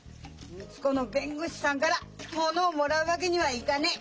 光子の弁護士さんから物をもらうわけにはいがねえ。